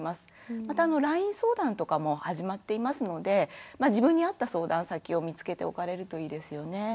またＬＩＮＥ相談とかも始まっていますので自分に合った相談先を見つけておかれるといいですよね。